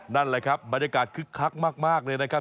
นั่นแหละครับบรรยากาศคึกคักมากเลยนะครับ